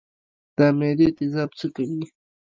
د معدې تیزاب څه کوي؟